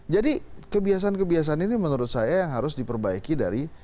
jadi kebiasaan kebiasaan ini menurut saya yang harus diperbaiki dari